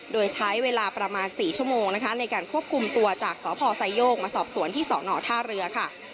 โดยใช้เวลาประมาณ๔ชั่วโมงนะคะในการควบคุมตัวจากสพไซโยกมาสอบสวนที่สอนอท่าเรือค่ะ